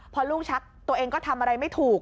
พอลูกชักตัวเองก็ทำอะไรไม่ถูก